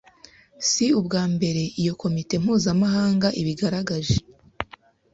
Si ubwa mbere iyi komite mpuzamahanga ibigaragaje